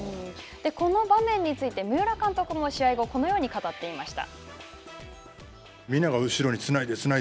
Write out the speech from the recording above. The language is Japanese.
この場面について、三浦監督も試合後、このように語っていました。